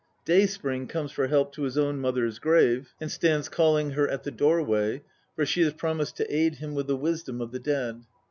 Day spring comes for help to his own mother's grave, and stands calling her at the doorway, for she has promised to aid him with the wisdom of the dead.